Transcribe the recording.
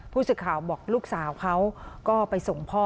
ผู้สื่อข่าวบอกลูกสาวเขาก็ไปส่งพ่อ